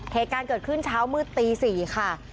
เหตุการณ์เกิดขึ้นเช้ามืดตี๔ค่ะ